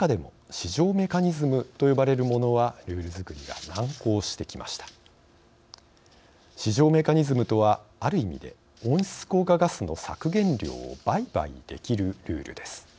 市場メカニズムとはある意味で温室効果ガスの削減量を売買できるルールです。